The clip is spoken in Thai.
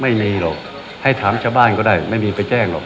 ไม่มีหรอกให้ถามชาวบ้านก็ได้ไม่มีไปแจ้งหรอก